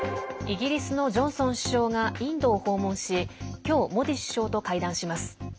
イギリスのジョンソン首相がインドを訪問しきょう、モディ首相と会談します。